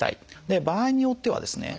場合によってはですね